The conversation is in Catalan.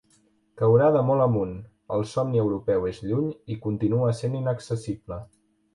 Caurà de molt amunt: el somni europeu és lluny i continua sent inaccessible.